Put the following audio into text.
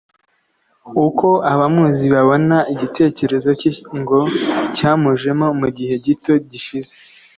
uko abamuzi babona igitekerezo cye ngo cyamujemo mugihe gito gishize